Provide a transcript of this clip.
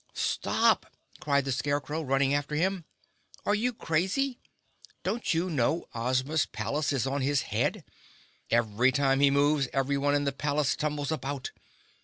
"Stop!" cried the Scarecrow, running after him. "Are you crazy? Don't you know Ozma's palace is on his head? Every time he moves everyone in the palace tumbles about.